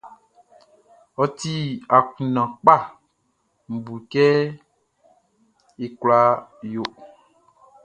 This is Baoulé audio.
Ôti akunndan kpa, Nʼbu kɛ ye kula yo.